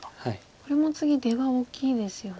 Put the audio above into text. これも次出は大きいですよね。